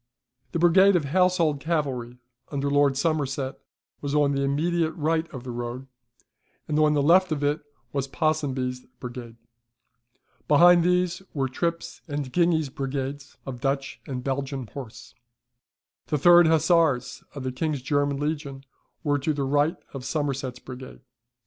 The brigade of household cavalry under Lord Somerset was on the immediate right of the road, and on the left of it was Ponsonby's brigade. Behind these were Trip's and Ghingy's brigades of Dutch and Belgian horse. The third Hussars of the King's German Legion were to the right of Somerset's brigade.